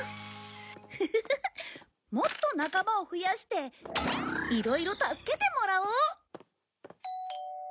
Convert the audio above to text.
フフフもっと仲間を増やしていろいろ助けてもらおう。